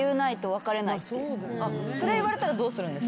それ言われたらどうするんですか？